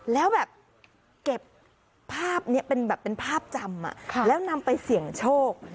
แล้วแบบเก็บภาพนี้เป็นแบบเป็นภาพจำแล้วนำไปเสี่ยงโชค